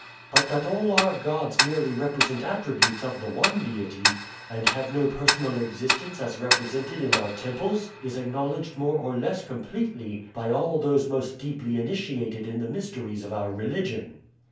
But that all our gods merely represent attributes of the one deity, and have no personal existence as represented in our temples, is acknowledged more or less completely by all those most deeply initiated in the mysteries of our religion.